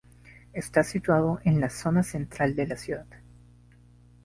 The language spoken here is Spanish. Está situado en la zona central de la ciudad.